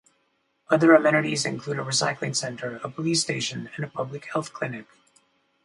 Other amenities include a recycling centre, a police station, and a public health clinic.